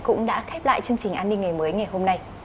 cũng đã khép lại chương trình an ninh ngày mới ngày hôm nay